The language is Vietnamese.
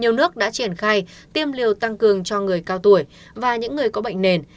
nhiều nước đã triển khai tiêm liều tăng cường cho người cao tuổi và những người có bệnh nền